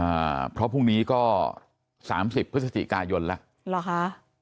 อ่าเพราะพรุ่งนี้ก็สามสิบพฤศจิกายนแล้วเหรอคะ